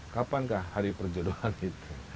kapan kah hari perjodohan itu